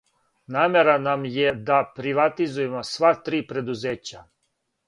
Намера нам је да приватизујемо сва три предузећа.